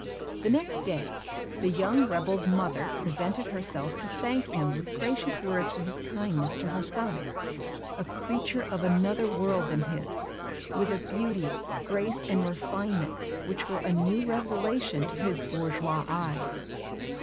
The next day the young rebel's mother presented herself to thank him with gracious words for his kindness to her son a creature of another world than his, with a beauty, grace and refinement which were a new revelation to his bourgeois eyes.